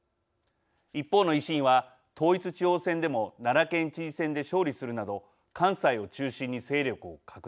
一方の維新は統一地方選でも奈良県知事選で勝利するなど関西を中心に勢力を拡大。